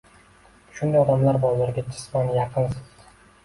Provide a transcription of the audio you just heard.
Shunday odamlar bor: ularga jisman yaqinsiz